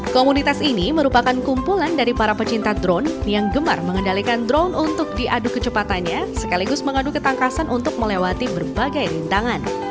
komunitas ini merupakan kumpulan dari para pecinta drone yang gemar mengendalikan drone untuk diadu kecepatannya sekaligus mengadu ketangkasan untuk melewati berbagai rintangan